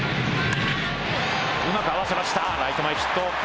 うまく合わせました、ライト前ヒット。